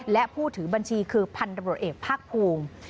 และผู้ถือบัญชีคือพันธบรวจเอกภาคภูมิ